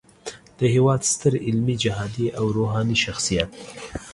د هیواد ستر علمي، جهادي او روحاني شخصیت